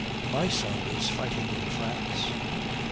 'My son is fighting in France.'